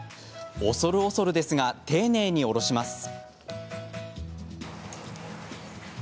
恐る恐るですが丁寧におろします。